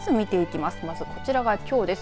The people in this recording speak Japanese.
まずは、こちらがきょうです。